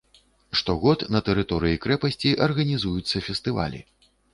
Штогод на тэрыторыі крэпасці арганізуюцца фестывалі.